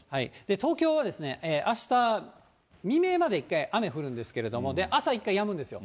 東京はあした、未明まで雨降るんですけれども、朝一回やむんですよ。